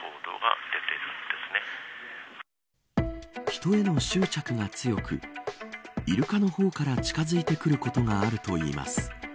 人への執着が強くイルカの方から近づいてくることがあるといいます。